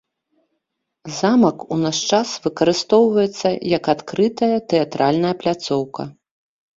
Замак у наш час выкарыстоўваецца як адкрытая тэатральная пляцоўка.